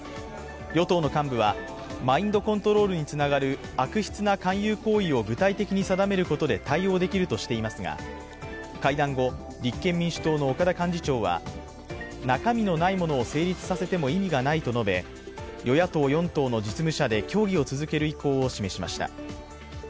与党の幹部は、マインドコントロールにつながる悪質な勧誘行為を具体的に定めることで対応できるとしていますが、会談後立憲民主党の岡田幹事長は、中身のないものを成立させても意味がないと述べ与野党４党の実務者で協議を続ける意向を示しました。